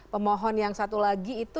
pemohon yang satu itu